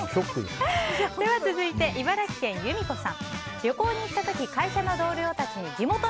続いて、茨城県の方。